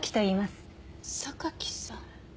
榊さん。